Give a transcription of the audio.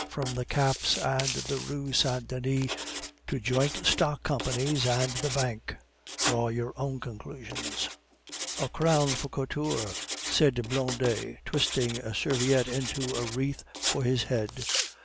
From the caps and the Rue Saint Denis to joint stock companies and the Bank draw your own conclusions." "A crown for Couture!" said Blondet, twisting a serviette into a wreath for his head.